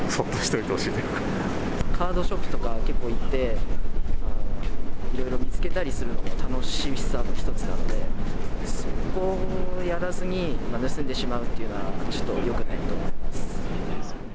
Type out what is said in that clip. カードショップとか結構行って、いろいろ見つけたりするのが楽しみの一つなので、そこをやらずに盗んでしまうっていうのは、ちょっとよくないと思います。